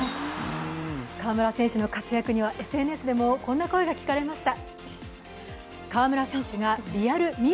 河村選手の活躍にはＳＮＳでもこんな声が聞かれました。